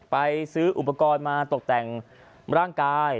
ไปซื้ออุปกรณ์มาตกแต่งร่างกาย